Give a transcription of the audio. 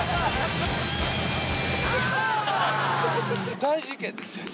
大事件です、先生。